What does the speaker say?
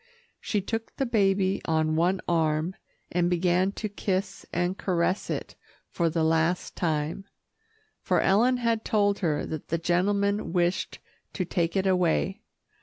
She took the baby on one arm, and began to kiss and caress it for the last time, for Ellen had told her that the gentleman wished to take it away.